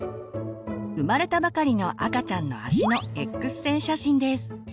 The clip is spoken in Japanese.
生まれたばかりの赤ちゃんの足のＸ線写真です。